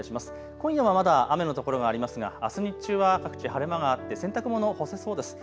今夜はまだ雨の所がありますがあす日中は各地、晴れ間があって洗濯物、干せそうです。